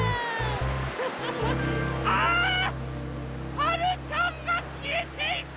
はるちゃんがきえていく！